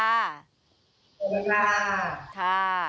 สวัสดีค่ะ